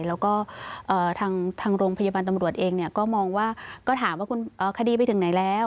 แล้วก็ทางโรงพยาบาลตำรวจเองก็มองว่าก็ถามว่าคดีไปถึงไหนแล้ว